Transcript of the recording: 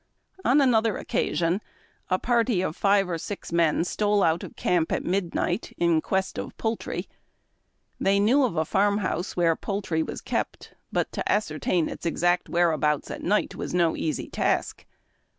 On another occasion a party of five or six men stole out of camp at midnight, in quest of poultry. They knew of a farm house where poultry was kept, but to ascertain its exact whereabouts at night was no easy task.